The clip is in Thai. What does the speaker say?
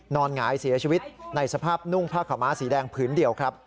หงายเสียชีวิตในสภาพนุ่งผ้าขาวม้าสีแดงผืนเดียวครับ